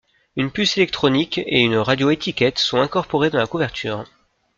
Une puce électronique et une radio-étiquette sont incorporées dans la couverture.